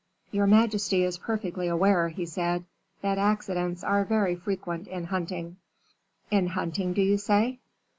"Your majesty is perfectly aware," he said, "that accidents are very frequent in hunting." "In hunting, do you say?"